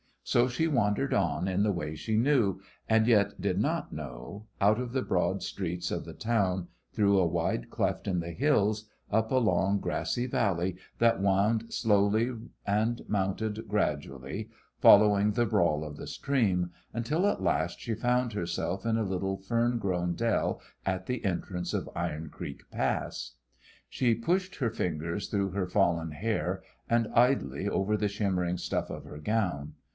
So she wandered on in the way she knew, and yet did not know, out of the broad streets of the town, through a wide cleft in the hills, up a long grassy valley that wound slowly and mounted gradually, following the brawl of the stream, until at last she found herself in a little fern grown dell at the entrance of Iron Creek Pass. She pushed her fingers through her fallen hair, and idly over the shimmering stuff of her gown.